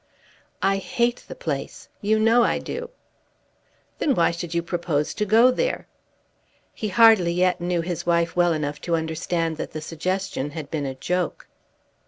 "I hate the place. You know I do." "Then why should you propose to go there?" He hardly yet knew his wife well enough to understand that the suggestion had been a joke.